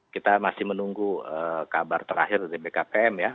kita masih menunggu kabar terakhir dari bkpm ya